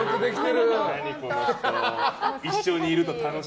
何この人。